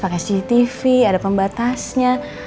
ada igtv ada pembatasnya